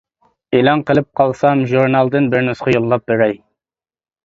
ئېلان قىلىپ قالسام ژۇرنالدىن بىر نۇسخا يوللاپ بېرەي.